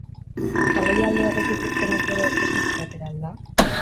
Baloia alde batetik irtenez gero, bestetik atera al da?